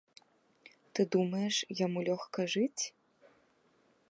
Ты думаеш, яму лёгка жыць?